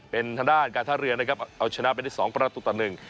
เป็นทางด้านการท่าเรือนะครับเอาชนะไปได้สองประตูต่อหนึ่ง